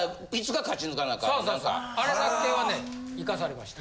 そうそうあれだけはね行かされました。